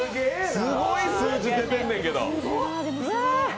すごい数字出てんねんけど。